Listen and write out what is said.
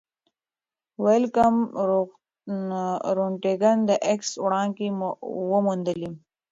ویلهلم رونټګن د ایکس وړانګې وموندلې.